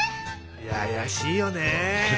あやしいよね！